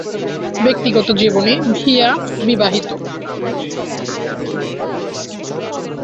ব্যক্তিগত জীবনে ভিয়া বিবাহিত।